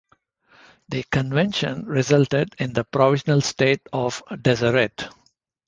The convention resulted in the provisional State of Deseret.